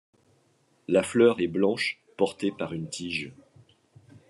La fleur est blanche, portée par une tige.